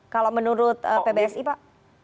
kalau menurut pbsi pak